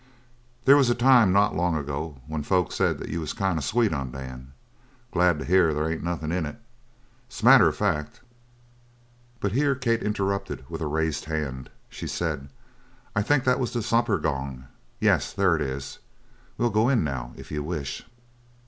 "They was a time not so long ago when folks said that you was kind of sweet on Dan. Glad to hear they ain't nothin' in it. 'S a matter of fact " But here Kate interrupted with a raised hand. She said: "I think that was the supper gong. Yes, there it is. We'll go in now, if you wish."